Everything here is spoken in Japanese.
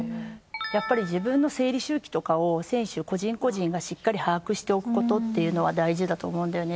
やっぱり自分の生理周期とかを選手個人個人がしっかり把握しておくことっていうのは大事だと思うんだよね。